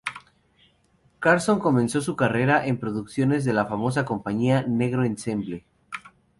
Carson comenzó su carrera en producciones de la famosa compañía Negro Ensemble.